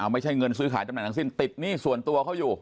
ไม่ช่ายเงินสุยขาดจำหนักทางสิ้นติดนี่สวนตัวเขาอยู่